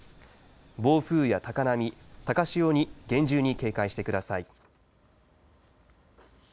暴風や高波、高潮に厳重に警戒してください。